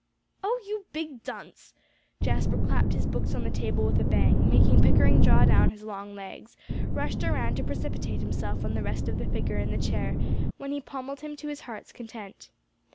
"Oh, you big dunce!" Jasper clapped his books on the table with a bang, making Pickering draw down his long legs, rushed around to precipitate himself on the rest of the figure in the chair, when he pommelled him to his heart's content.